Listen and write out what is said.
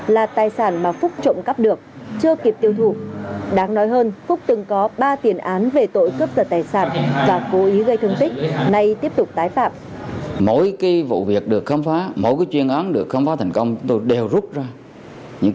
là tài sản mà phúc trộm cắp được chưa kịp tiêu thủ